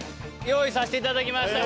用意させて頂きました。